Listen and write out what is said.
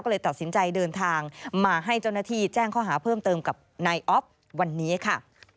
ก็เลยตัดสินใจเดินทางมาให้เจ้าหน้าที่แจ้งข้อหาเพิ่มเติมกับนายอ๊อฟวันนี้ค่ะ